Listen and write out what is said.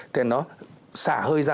thì nó xả hơi ra